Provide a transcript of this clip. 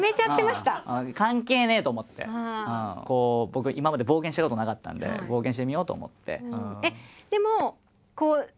僕今まで冒険したことなかったんで冒険してみようと思って。